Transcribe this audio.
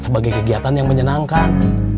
sebagai kegiatan yang menyenangkan